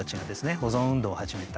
保存運動を始めた。